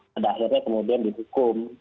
pada akhirnya kemudian dihukum